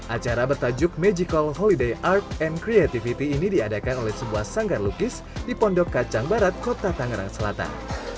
acara bertajuk magical holiday art and creativity ini diadakan oleh sebuah sanggar lukis di pondok kacang barat kota tangerang selatan